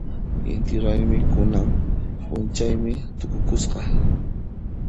Inti raymi kunan p'unchaymi tukukusqa.